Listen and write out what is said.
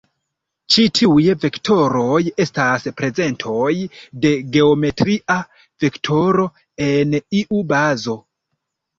Ĉi tiuj vektoroj estas prezentoj de geometria vektoro en iu bazo.